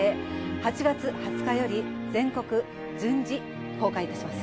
８月２０日より全国順次公開いたします。